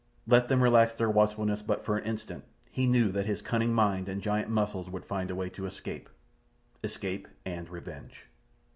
Let them relax their watchfulness but for an instant, he knew that his cunning mind and giant muscles would find a way to escape—escape and revenge.